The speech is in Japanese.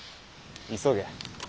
急げ！